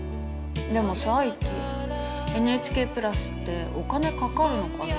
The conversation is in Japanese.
でもさイッキＮＨＫプラスってお金かかるのかな。